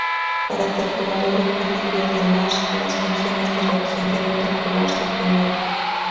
Para calcular el equilibrio de Nash, las funciones de reacción deben calcularse primero.